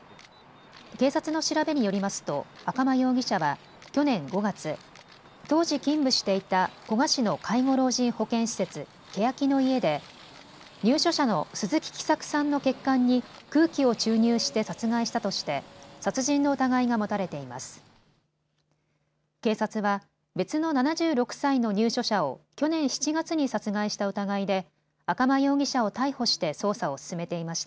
警察の調べによりますと赤間容疑者は去年５月、当時、勤務していた古河市の介護老人保健施設、けやきの舎で入所者の鈴木喜作さんの血管に空気を注入して殺害したとして殺人の疑いが持たれています。